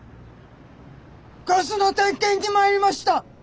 ガスの点検にまいりました！